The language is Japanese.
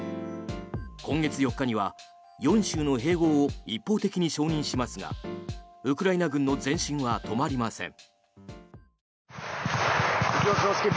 今月４日には４州の併合を一方的に承認しますがウクライナ軍の前進は止まりません。